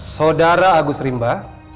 saudara agus rimba